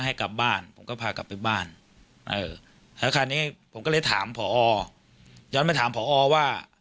ให้กลับบ้านผมก็พากลับไปบ้านเออแล้วคราวนี้ผมก็เลยถามผอย้อนไปถามผอว่า